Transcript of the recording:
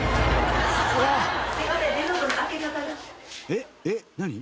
えっえっ何？